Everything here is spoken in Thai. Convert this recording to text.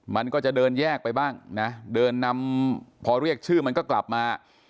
มันก็จะเดินแยกไปบ้างนะเดินนำพอเรียกชื่อมันก็กลับมา